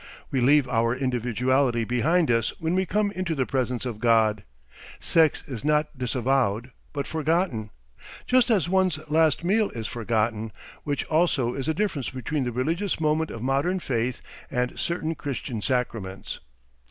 We leave our individuality behind us when we come into the presence of God. Sex is not disavowed but forgotten. Just as one's last meal is forgotten which also is a difference between the religious moment of modern faith and certain Christian sacraments.